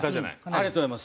ありがとうございます。